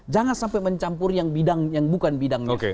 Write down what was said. jangan sampai mencampur yang bidang yang bukan bidangnya